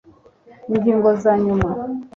ingingo zanyuma